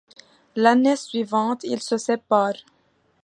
L'année suivante, ils se séparent.